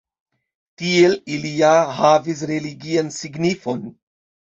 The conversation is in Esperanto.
Tiel ili ja havis religian signifon.